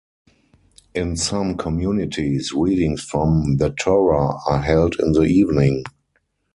In some communities, readings from the Torah are held in the evening.